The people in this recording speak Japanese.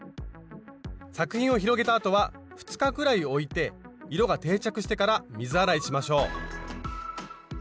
作品を広げたあとは２日くらいおいて色が定着してから水洗いしましょう。